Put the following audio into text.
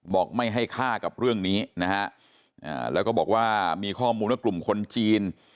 บอกไม่ให้ฆ่ากับเรื่องนี้นะฮะแล้วก็บอกว่ามีข้อมูลว่ากลุ่มคนจีน